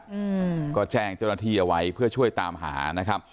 อืมก็แจ้งเจ้าหน้าที่เอาไว้เพื่อช่วยตามหานะครับ